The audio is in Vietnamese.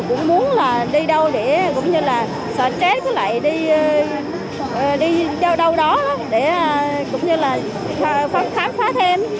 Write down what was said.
cũng muốn đi đâu để cũng như là sợ chết với lại đi đâu đó để cũng như là khám phá thêm